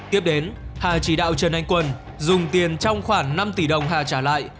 tiếp đến hà chỉ đạo trần anh quân dùng tiền trong khoảng năm tỷ đồng hà trả lại